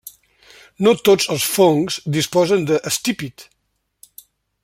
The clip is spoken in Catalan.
No tots els fongs disposen d'estípit.